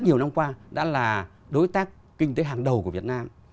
nhiều năm qua đã là đối tác kinh tế hàng đầu của việt nam